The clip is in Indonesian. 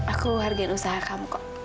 aku hargain usaha kamu kok